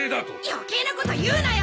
余計なこと言うなよ！